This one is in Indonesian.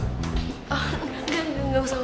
engga engga gak usah